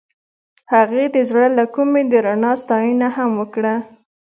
هغې د زړه له کومې د رڼا ستاینه هم وکړه.